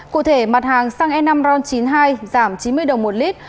cụ thể mặt hàng xăng e năm ron chín mươi hai giảm chín mươi đồng một lít